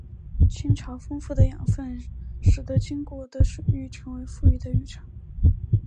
亲潮丰富的养分使得其经过的水域成为富裕的渔场。